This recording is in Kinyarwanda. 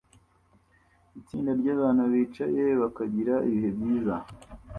Itsinda ryabantu bicaye bakagira ibihe byiza